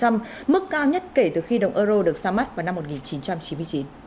mức cao nhất kể từ khi đồng euro được xa mắt vào năm một nghìn chín trăm chín mươi chín